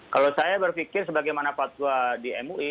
kalau saya berpikir sebagaimana fatwa di mui